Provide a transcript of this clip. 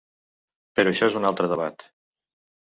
Però això és un altre debat.